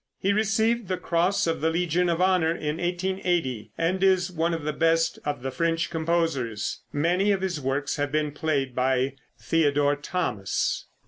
He received the Cross of the Legion of Honor in 1880, and is one of the best of the French composers. Many of his works have been played by Theodore Thomas.